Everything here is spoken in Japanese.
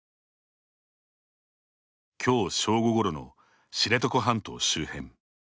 きょう、正午ごろの知床半島周辺。